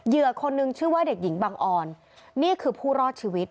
คนนึงชื่อว่าเด็กหญิงบังออนนี่คือผู้รอดชีวิต